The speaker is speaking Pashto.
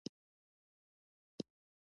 ټپي ته باید د مرستې وعده وکړو.